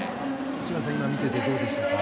内村さん、今見ていてどうでしたか？